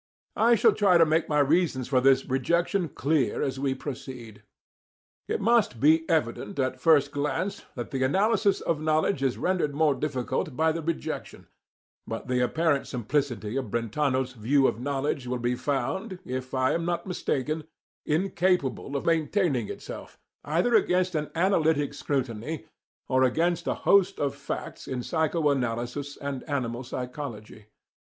I shall try to make my reasons for this rejection clear as we proceed. It must be evident at first glance that the analysis of knowledge is rendered more difficult by the rejection; but the apparent simplicity of Brentano's view of knowledge will be found, if I am not mistaken, incapable of maintaining itself either against an analytic scrutiny or against a host of facts in psycho analysis and animal psychology.